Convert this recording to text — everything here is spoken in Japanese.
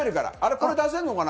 これ出せるのかな？